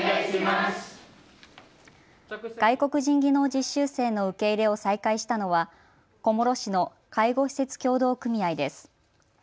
外国人技能実習生の受け入れを再開したのは小諸市の介護施設協同組合です。